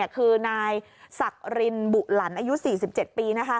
คือนายสักรินบุหลันอายุ๔๗ปี